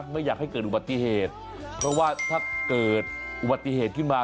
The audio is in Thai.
ไม่อยากให้เกิดอุบัติเหตุเพราะว่าถ้าเกิดอุบัติเหตุขึ้นมา